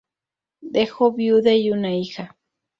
Dejó viuda y una hija.